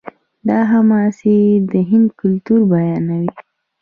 دا حماسې د هند کلتور بیانوي.